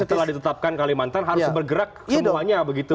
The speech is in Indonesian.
jadi setelah ditetapkan kalimantan harus bergerak semuanya begitu